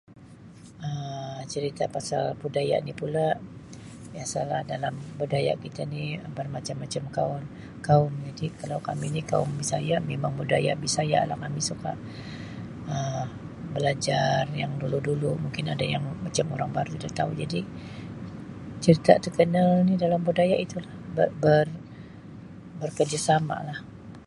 Um Cerita pasal budaya ni pula biasalah dalam budaya kita ni Um bermacam-macam kau-kaum jadi kalau kami ni kaum bisaya memang budaya bisaya lah kami suka Um belajar yang dulu-dulu mungkin ada yang macam orang baru tidak tahu jadi cerita terkenal ni dalam budaya itulah be-berkerjasama lah.